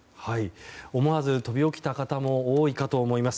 思わず飛び起きた方も多いかと思います。